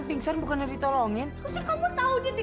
iya udah adit aku minta lepasin dia